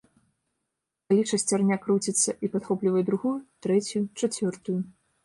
Калі шасцярня круціцца і падхоплівае другую, трэцюю, чацвёртую.